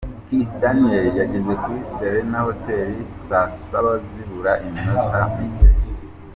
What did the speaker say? Kiss Daniel yageze kuri Serena Hotel saa saba zibura iminota mike.